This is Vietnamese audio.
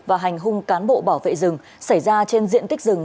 và hành hung cán bộ bảo vệ rừng xảy ra trên diện tích rừng